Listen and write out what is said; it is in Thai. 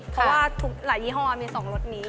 เพราะว่าหลายยี่ห้อมีสองรสนี้